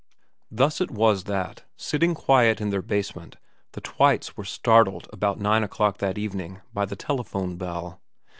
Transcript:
Thus it was that, sitting quiet in their basement, the Twites were startled about nine o'clock that evening by the telephone bell.